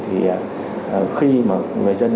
thì khi mà người dân